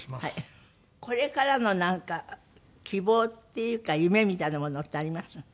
これからのなんか希望っていうか夢みたいなものってあります？